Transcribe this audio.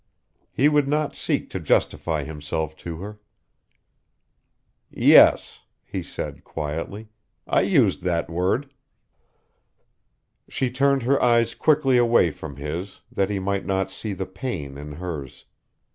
He would not seek to justify himself to her.... "Yes," he said quietly. "I used that word." She turned her eyes quickly away from his, that he might not see the pain in hers....